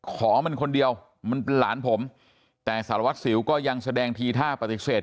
ขอมันคนเดียวมันเป็นหลานผมแต่สารวัตรสิวก็ยังแสดงทีท่าปฏิเสธ